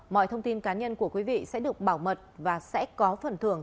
mọi thông tin cá nhân của quý vị sẽ được bảo mật và sẽ có phần thưởng